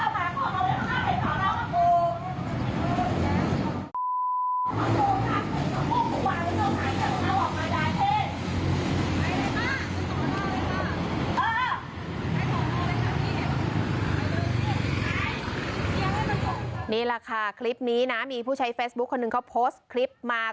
นี่แหละค่ะคลิปนี้นะมีผู้ใช้เฟซบุ๊คคนหนึ่งเขาโพสต์คลิปมา